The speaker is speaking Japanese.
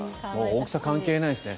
大きさ関係ないですね。